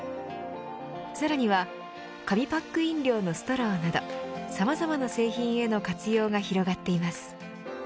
さらには紙パック飲料のストローなどさまざまな製品への活用が広がっています。